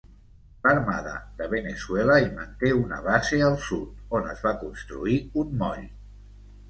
L'Armada de Veneçuela hi manté una base al sud, on es va construir un moll.